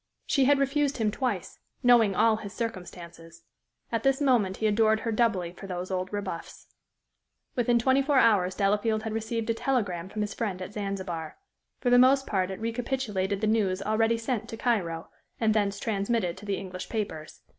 She had refused him twice knowing all his circumstances. At this moment he adored her doubly for those old rebuffs. Within twenty four hours Delafield had received a telegram from his friend at Zanzibar. For the most part it recapitulated the news already sent to Cairo, and thence transmitted to the English papers.